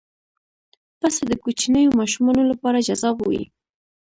پسه د کوچنیو ماشومانو لپاره جذاب وي.